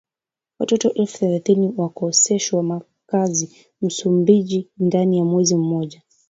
Watoto elfu thelathini wakoseshwa makazi Msumbiji ndani ya mwezi mmoja